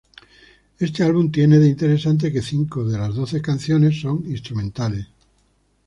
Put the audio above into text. Este álbum tiene de interesante que cinco de doce canciones son instrumentales.